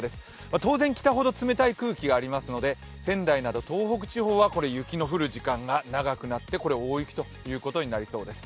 当然、北ほど冷たい空気がありますので、仙台など東北地方は雪の降る時間が長くなって大雪ということになりそうです。